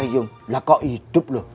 wilayah awak itu hidup lho